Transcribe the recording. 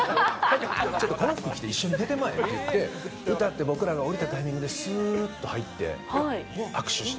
ちょっとこの服着て一緒に出てまえって歌って僕らが下りたタイミングですーっと入って、握手して。